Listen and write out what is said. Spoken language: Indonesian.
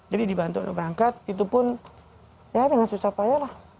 jadi dibantu untuk berangkat itu pun ya memang susah payahlah